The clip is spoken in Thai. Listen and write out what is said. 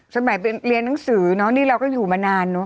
สมัยเรียนหนังสือนี่เราก็อยู่มานาน